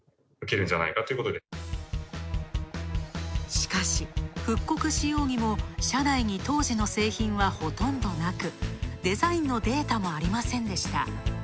しかし、復刻しようにも社内に当時の製品はほとんどなく、デザインのデータもありませんでした。